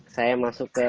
saya masuk ke